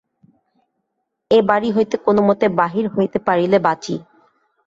এ বাড়ি হইতে কোনোমতে বাহির হইতে পারিলে বাঁচি।